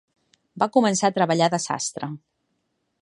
Va començar a treballar de sastre.